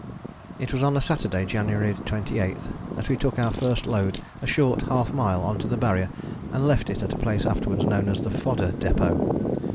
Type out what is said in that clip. It was on a Saturday, January 28, that we took our first load a short half mile on to the Barrier and left it at a place afterwards known as the Fodder Depôt.